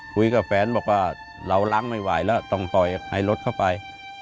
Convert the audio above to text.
คุยกับแฟนบอกว่าเราล้างไม่ไหวแล้วต้องปล่อยให้รถเข้าไป